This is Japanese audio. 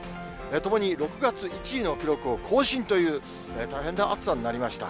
ともに６月１位の記録を更新という、大変な暑さになりました。